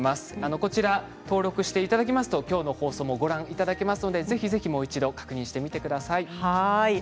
こちら登録していただけましたらきょうの放送もご覧いただけますので、ぜひもう一度確認してみてください。